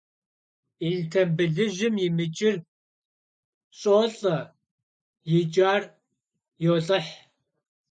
Yistambılıjım yimıç'ır ş'olh'e, yiç'ar yolh'ıh.